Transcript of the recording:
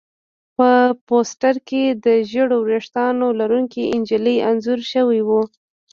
په پوسټر کې د ژېړو ویښتانو لرونکې نجلۍ انځور شوی و